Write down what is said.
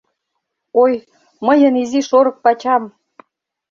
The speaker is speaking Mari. — Ой, мыйын изи шорык пачам!